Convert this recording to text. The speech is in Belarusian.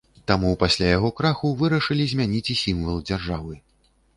Таму пасля яго краху вырашылі змяніць і сімвал дзяржавы.